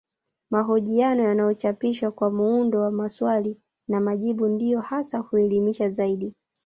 Mahojiano yanayochapishwa kwa muundo wa maswali na majibu ndiyo hasa huelimisha zaidi